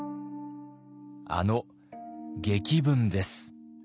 あの檄文です。